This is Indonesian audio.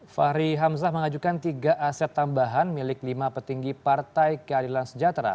fahri hamzah mengajukan tiga aset tambahan milik lima petinggi partai keadilan sejahtera